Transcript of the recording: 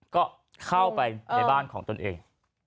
ก็เข้าไปในบ้านของตนเอง